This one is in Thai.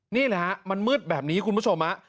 นี่แหละฮะมันมืดแบบนี้คุณผู้ชมฮะ